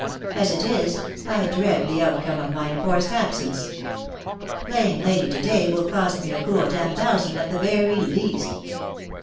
As it is, I dread the outcome of my enforced absence. Playing lady to day will cost me a cool ten thousand, at the very least."